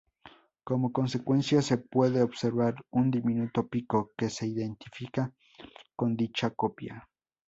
Como consecuencia, se puede observar un diminuto pico que se identifica con dicha copia.